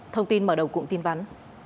thông tin mở đầu cùng tin vắn